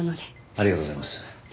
ありがとうございます。